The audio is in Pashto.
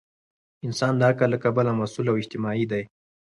انسان د عقل له کبله مسؤل او اجتماعي دی.